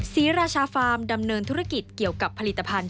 ศรีราชาฟาร์มดำเนินธุรกิจเกี่ยวกับผลิตภัณฑ์